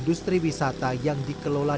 dato oleh desa sumerbuluh